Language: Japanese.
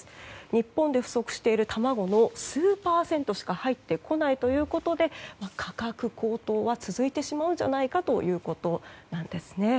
日本で不足している卵の数パーセントしか入ってこないということで価格高騰は続いてしまうんじゃないかということですね。